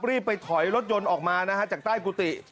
รีบไปถอยรถยนต์ออกมานะฮะจากใต้กุฏิ